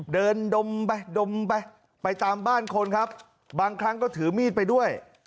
ดมไปดมไปไปตามบ้านคนครับบางครั้งก็ถือมีดไปด้วย